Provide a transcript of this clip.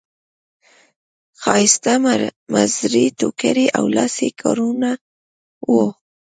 ښایسته مزري ټوکري او لاسي کارونه وو.